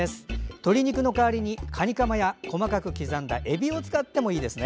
鶏肉の代わりにかにかまや細かく刻んだえびを使ってもいいですね。